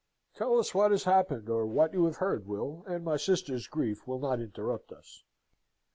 "Tell us what has happened, or what you have heard, Will, and my sister's grief will not interrupt us."